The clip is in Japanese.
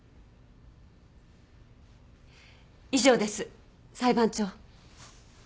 以上です裁判長。